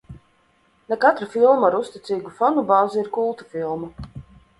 Ne katra filma ar uzticīgu fanu bāzi ir kulta filma.